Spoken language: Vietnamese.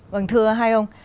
vâng thưa hai ông